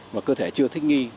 và cơ thể chưa thích nghi